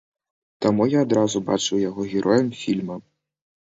Таму я адразу бачыў яго героем фільма.